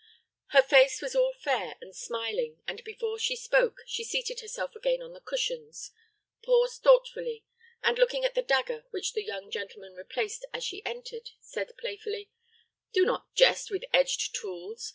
Her face was all fair and smiling, and before she spoke, she seated herself again on the cushions, paused thoughtfully, and, looking at the dagger which the young gentleman replaced as she entered, said playfully, "Do not jest with edged tools.